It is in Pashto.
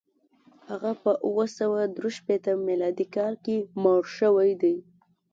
هغه په اووه سوه درې شپېته میلادي کال کې مړ شوی دی.